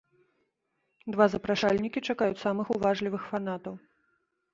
Два запрашальнікі чакаюць самых уважлівых фанатаў!